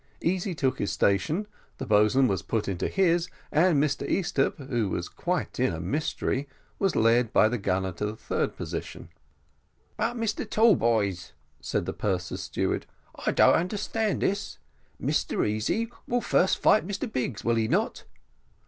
Easy took his station, the boatswain was put into his, and Mr Easthupp, who was quite in a mystery, was led by the gunner to the third position. "But, Mr Tallboys," said the purser's steward, "I don't understand this. Mr Easy will first fight Mr Biggs, will he not?"